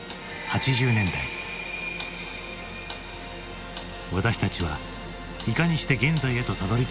私たちはいかにして現在へとたどりついたのか？